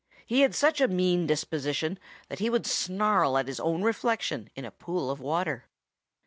He had such a mean disposition that he would snarl at his own reflection in a pool of water.